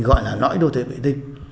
gọi là nỗi đô thị vệ tinh